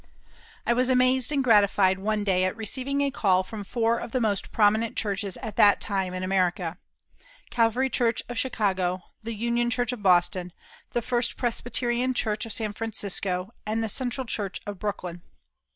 I was amazed and gratified one day at receiving a call from four of the most prominent churches at that time in America: Calvary Church of Chicago, the Union Church of Boston, the First Presbyterian Church of San Francisco, and the Central Church of Brooklyn.